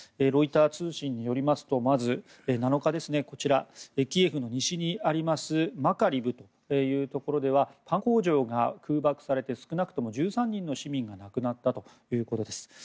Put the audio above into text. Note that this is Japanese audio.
ロイター通信によりますとまず、７日キエフの西にありますマカリブというところではパン工場が空爆されて少なくとも１３人の市民が亡くなったということです。